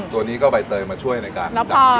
ตัวนี้ก็ใบเตยมาช่วยการดับกลิ่น